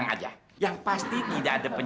coba peach detik makanudible